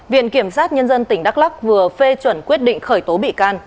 viện kiểm sát nhân dân tỉnh đắk lắc vừa phê chuẩn quyết định khởi tố bị can